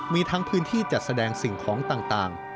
มีทั้งพื้นที่จัดแสดงสิ่งของต่าง